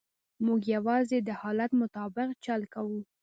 موږ یوازې د حالت مطابق چل کوو.